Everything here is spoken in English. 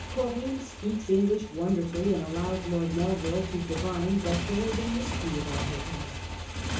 Corinne speaks English wonderfully, and allows Lord Nelvil to divine that there is a mystery about her past.